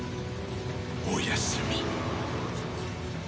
おやすみ。